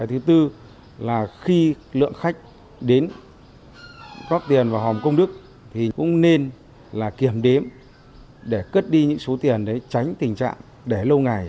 thứ tư là khi lượng khách đến góp tiền vào hòm công đức thì cũng nên kiểm đếm để cất đi những số tiền để tránh tình trạng để lâu ngày